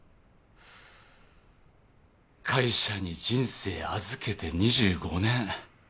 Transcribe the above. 会社に人生預けて２５年。